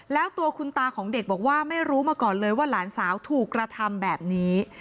แล้วตัวคุณตาของเด็กบอกว่าไม่รู้มาก่อนเลยว่าหลานสาวถูกกระทำแบบนี้